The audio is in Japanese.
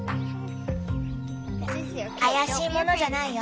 怪しいものじゃないよ